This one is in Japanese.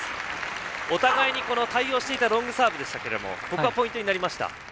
お互いに対応していたロングサーブですがここがポイントになりました。